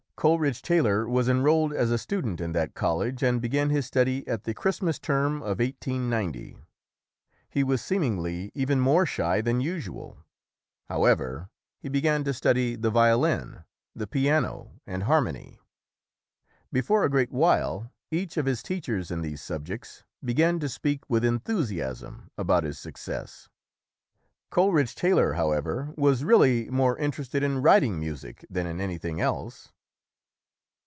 Coleridge Taylor was enrolled as a student in that college and began his study at the Christmas term of 1890. He was seemingly even more shy than usual; however, he began to study the violin, the piano and harmony. Before a great while, each of his teachers in these subjects began to speak with enthusiasm about his success. Coleridge Taylor, however, was really more interested in writing music than in anything else.